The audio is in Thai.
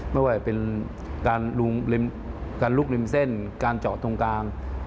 ไม่ว่าเป็นการลุกริมเส้นการเจาะตรงกลาง